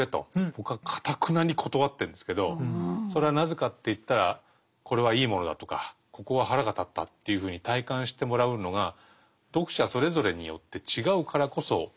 僕はかたくなに断ってるんですけどそれはなぜかっていったらこれはいいものだとかここは腹が立ったというふうに体感してもらうのが読者それぞれによって違うからこそ面白いわけですよね。